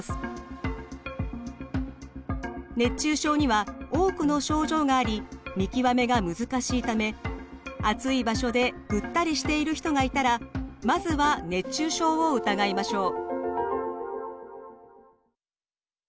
熱中症には多くの症状があり見極めが難しいため暑い場所でぐったりしている人がいたらまずは熱中症を疑いましょう。